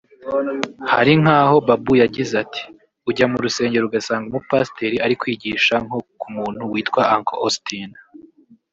Hari nk’aho Babu yagize ati” Ujya mu rusengero ugasanga umupasiteri arikwigisha nko ku muntu witwa Uncle Austin